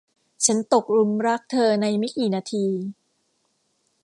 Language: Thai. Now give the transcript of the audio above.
ฉันตกหลุมรักเธอในไม่กี่นาที